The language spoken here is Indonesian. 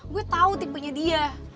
gue tau tipenya dia